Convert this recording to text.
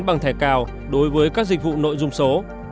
bằng thẻ cào đối với các dịch vụ nội dung số